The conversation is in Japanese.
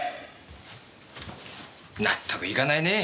納得いかないねえ。